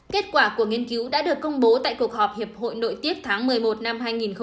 kết quả của nghiên cứu đã được công bố tại cuộc họp hiệp hội nội tiết tháng một mươi một năm hai nghìn hai mươi một